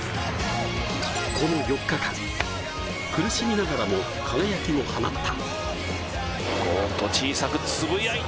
この４日間、苦しみながらも輝きを放った。